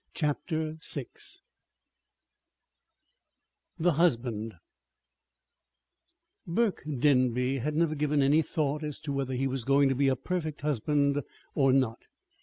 CHAPTER VI THE HUSBAND Burke Denby had never given any thought as to whether he were going to be a perfect husband or not.